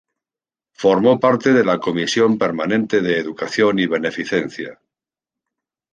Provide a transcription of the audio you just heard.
Formó parte de la comisión permanente de Educación y Beneficencia.